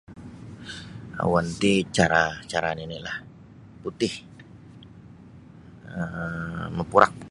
awan ti cara cara nini'lah putih um mapurak